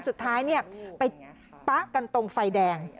สุดท้ายไปปะกันตรงไฟแดง